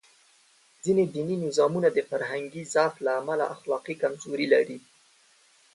ځینې دیني نظامونه د فرهنګي ضعف له امله اخلاقي کمزوري لري.